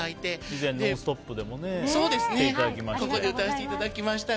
以前、「ノンストップ！」でも来ていただきまして。